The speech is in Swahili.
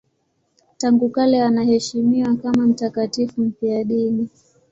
Tangu kale wanaheshimiwa kama mtakatifu mfiadini.